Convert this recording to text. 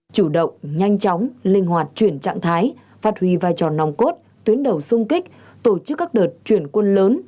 chủ động nhanh chóng linh hoạt chuyển trạng thái phát huy vai trò nòng cốt tuyến đầu sung kích tổ chức các đợt chuyển quân lớn